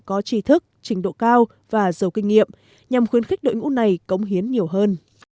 có trí thức trình độ cao và giàu kinh nghiệm nhằm khuyến khích đội ngũ này cống hiến nhiều hơn